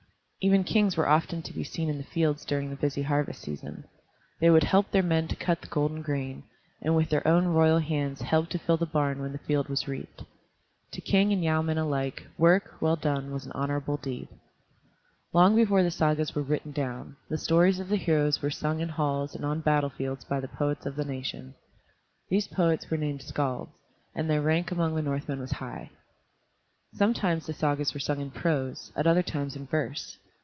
Even kings were often to be seen in the fields during the busy harvest season. They would help their men to cut the golden grain, and with their own royal hands help to fill the barn when the field was reaped. To king and yeomen alike, work, well done, was an honorable deed. Long before the Sagas were written down, the stories of the heroes were sung in halls and on battle fields by the poets of the nation. These poets were named skalds, and their rank among the Northmen was high. Sometimes the Sagas were sung in prose, at other times in verse.